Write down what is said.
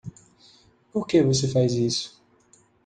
Por que você faz isso?